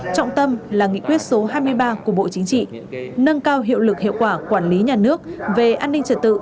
trọng tâm là nghị quyết số hai mươi ba của bộ chính trị nâng cao hiệu lực hiệu quả quản lý nhà nước về an ninh trật tự